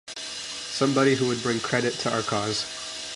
Somebody who would bring credit to our cause.